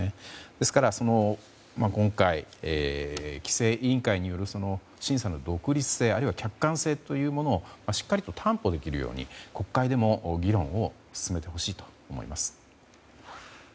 ですから今回、規制委員会による審査の独立性あるいは客観性というものをしっかりと担保できるように国会でも議論を進めてほしいと思います。